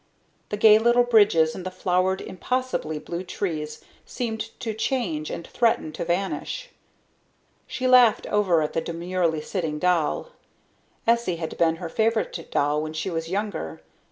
The gay little bridges and the flowered, impossibly blue trees seemed to change and threaten to vanish. She laughed over at the demurely sitting doll. Essie had been her favorite doll when she was younger.